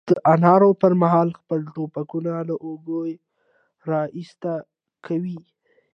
د نارو پر مهال خپل ټوپکونه له اوږې را ایسته کوي.